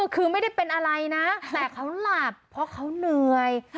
คือไม่ได้เป็นอะไรนะแต่เขาหลับเพราะเขาเหนื่อย